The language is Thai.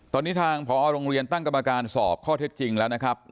ตอนนี้ทางพอโรงเรียนตั้งกรรมการสอบข้อเท็จจริงแล้วนะครับ